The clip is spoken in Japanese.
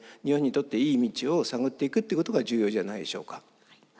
日本にとっていい道を探っていくということが重要じゃないでしょうか。